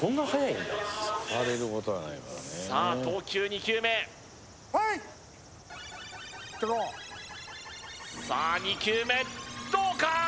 さあ投球２球目プレイさあ２球目どうか？